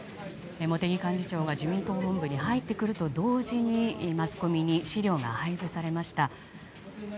茂木幹事長が自民党本部に入ってくると同時にマスコミに資料が配布されました。